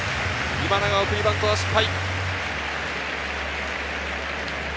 今永、送りバント失敗。